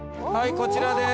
こちらです。